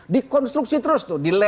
dikonstruksi terus tuh dilebak